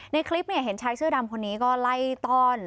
ในคลิปเนี่ยเห็นชายชื่อดำคนนี้ก็ไล่ต้อน